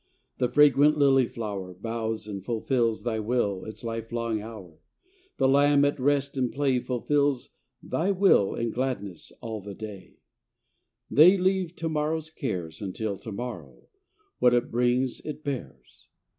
The fragrant lily flower Bows and fulfils Thy Will its lifelong hour; The lamb at rest and play Fulfils Thy Will in gladness all the day; 164 FROM QUEENS' G A EDENS. They leave to morrow's cares Until the morrow, what it brings it bears.